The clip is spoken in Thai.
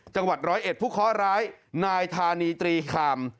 จังหวัดร้อยเอ็ดผู้เคาะร้ายนายธานีตรีคาม